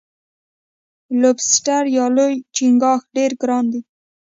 لوبسټر یا لوی چنګاښ ډیر ګران دی.